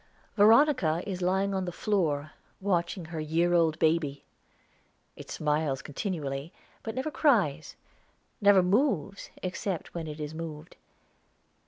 Veronica is lying on the floor watching her year old baby. It smiles continually, but never cries, never moves, except when it is moved.